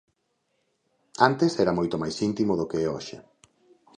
Antes era moito mais íntimo do que o é hoxe.